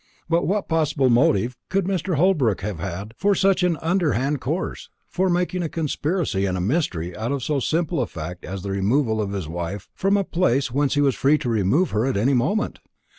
But what possible motive could Mr. Holbrook have had for such an underhand course for making a conspiracy and a mystery out of so simple a fact as the removal of his wife from a place whence he was free to remove her at any moment?